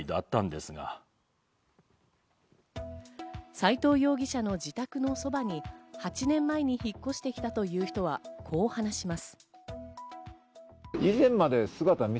斎藤容疑者の自宅のそばに８年前に引っ越してきたという人はこう話します。